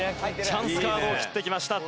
チャンスカードを切ってきました。